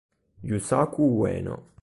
Yusaku Ueno